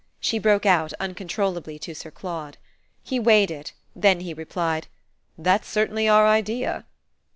she broke out uncontrollably to Sir Claude. He weighed it; then he replied: "That's certainly our idea."